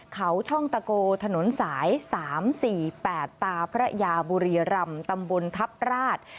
เขาช่องตะโกถนนสาย๓๔๘ตาพระยาบุรีรำตำบลทัพราช